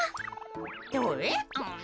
どれ？